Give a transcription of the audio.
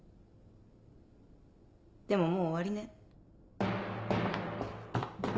でももう終わりね。